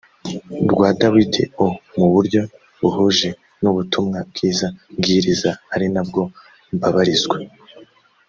rwa dawidi o mu buryo buhuje n ubutumwa bwiza mbwiriza ari na bwo mbabarizwa